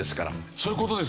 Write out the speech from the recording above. そういう事ですね。